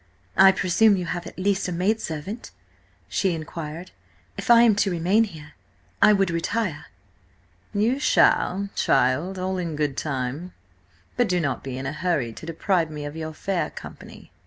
"I presume you have at least a maidservant," she inquired. "If I am to remain here, I would retire." "You shall, child, all in good time. But do not be in a hurry to deprive me of your fair company."